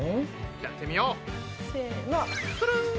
やってみよう！せの！